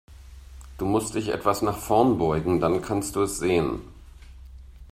Du musst dich etwas nach vorn beugen, dann kannst du es sehen.